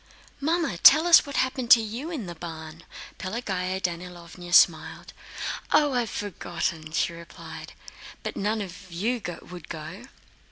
"Mamma, tell us what happened to you in the barn." Pelagéya Danílovna smiled. "Oh, I've forgotten..." she replied. "But none of you would go?"